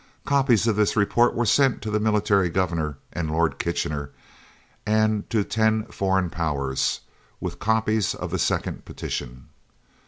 Copies of this report were sent to the Military Governor and Lord Kitchener, and to ten foreign Powers, with copies of the second petition.